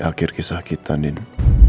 akhir kisah kita nino